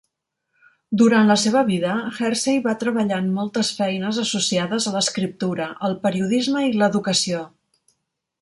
Durant la seva vida, Hersey va treballar en moltes feines associades a l'escriptura, el periodisme i l'educació.